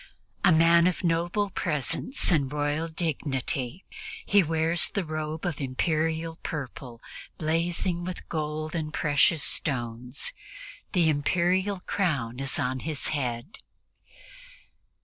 A man of noble presence and of royal dignity, he wears the robe of Imperial purple blazing with gold and precious stones; the Imperial crown is on his head.